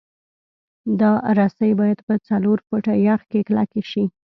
دا رسۍ باید په څلور فټه یخ کې کلکې شي